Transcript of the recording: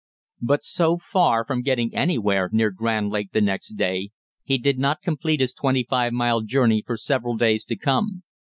But so far from getting anywhere near Grand Lake the next day, he did not complete his twenty five mile journey for several days to come.